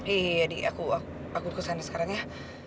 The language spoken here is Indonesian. iya jadi aku kesana sekarang ya